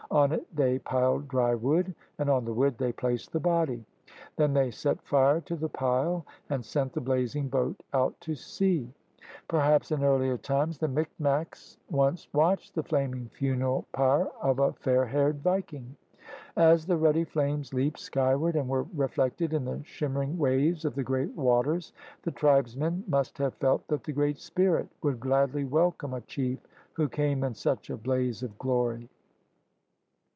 On it they piled dry wood, and on the wood they placed the body. Then they set fire to the pile and sent the blazing boat out to sea. Perhaps in earlier times the Mic macs once watched the flaming funeral pyre of a fair haired viking. As the ruddy flames leaped skyward and were reflected in the shimmering waves of the great waters the tribesmen must have felt that the Great Spirit would gladly welcome a chief who came in such a blaze of glory.